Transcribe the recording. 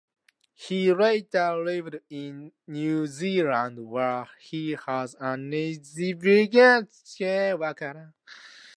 He later lived in New Zealand where he was an established cricket umpire.